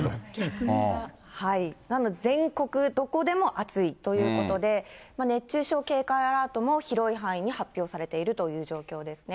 なので、全国どこでも暑いということで、熱中症警戒アラートも広い範囲に発表されているという状況ですね。